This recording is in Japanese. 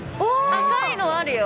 赤いのあるよ。